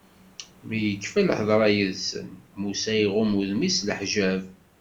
Mi yekfa lhedṛa yid-sen, Musa iɣumm udem-is s leḥǧab.